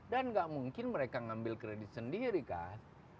dan gak mungkin mereka ngambil kredit sendiri kak